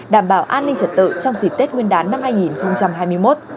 đảm bảo an ninh trật tự trong dịp tết nguyên đán năm hai nghìn hai mươi một